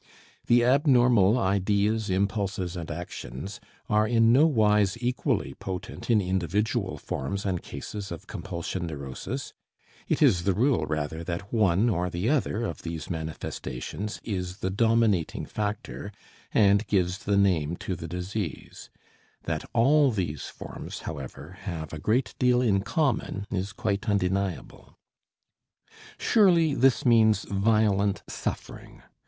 The abnormal ideas, impulses and actions are in nowise equally potent in individual forms and cases of compulsion neurosis; it is the rule, rather, that one or the other of these manifestations is the dominating factor and gives the name to the disease; that all these forms, however, have a great deal in common is quite undeniable. Surely this means violent suffering.